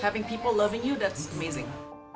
memiliki orang yang mencintai kamu itu menarik